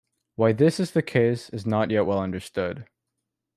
Why this is the case is not yet well understood.